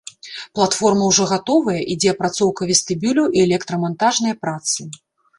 Платформа ўжо гатовая, ідзе апрацоўка вестыбюляў і электрамантажныя працы.